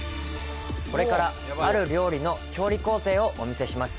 これからある料理の調理工程をお見せします